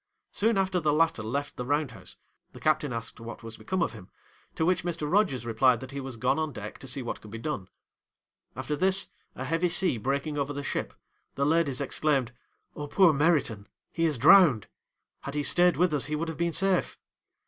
Soon after the latter left the round house, the captain asked what was become of him, to which Mr. Rogers replied, that he was gone on deck to see what could be done. After this, a heavy sea breaking over the ship, the ladies exclaimed, "Oh, poor Meriton! he is drowned; had he stayed with us he would have been safe!"